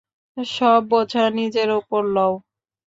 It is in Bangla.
সব বোঝা নিজের উপর লও।